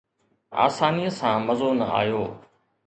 آسانيءَ سان مزو نه آيو